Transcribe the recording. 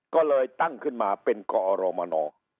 ก็เลยตั้งขึ้นมาเป็นกอรมน